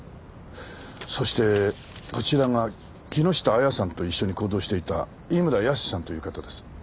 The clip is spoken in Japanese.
そしてこちらが木下亜矢さんと一緒に行動していた井村泰さんという方です。